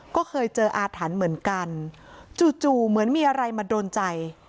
ก็เคยเจออาถรรพ์เหมือนกันจู่เหมือนมีอะไรมาโดนใจ